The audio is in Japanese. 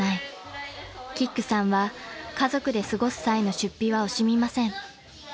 ［キックさんは家族で過ごす際の出費は惜しみません］